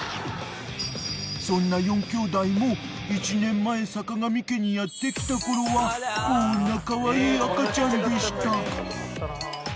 ［そんな４兄弟も１年前坂上家にやって来たころはこんなカワイイ赤ちゃんでした］